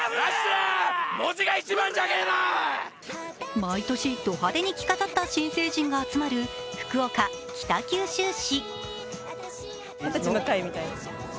毎年、ド派手に着飾った新成人が集まる福岡・北九州市。